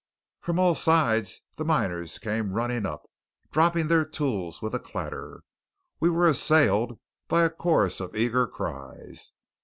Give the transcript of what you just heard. From all sides the miners came running up, dropping their tools with a clatter. We were assailed by a chorus of eager cries.